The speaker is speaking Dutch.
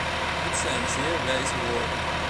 Dit zijn zeer wijze woorden.